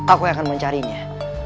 aku akan mencarinya